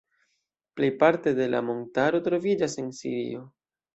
Plejparte de la montaro troviĝas en Sirio.